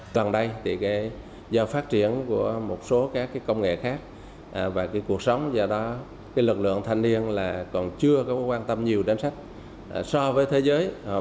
toàn đây thì do phát triển của một số các công nghệ khác và cuộc sống do đó